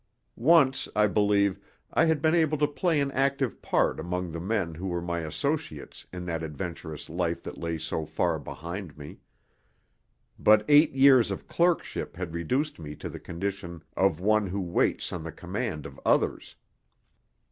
Once, I believe, I had been able to play an active part among the men who were my associates in that adventurous life that lay so far behind me. But eight years of clerkship had reduced me to the condition of one who waits on the command of others.